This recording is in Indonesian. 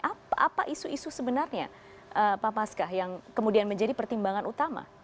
apa isu isu sebenarnya pak paskah yang kemudian menjadi pertimbangan utama